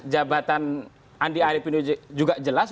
jabatan andi arief ini juga jelas